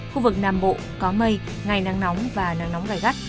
khu vực nam bộ có mây ngày nắng nóng và nắng nóng gai gắt